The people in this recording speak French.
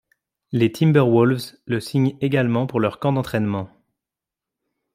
Les Timberwolves le signent également pour leur camp d'entraînement.